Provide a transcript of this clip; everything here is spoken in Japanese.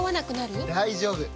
大丈夫！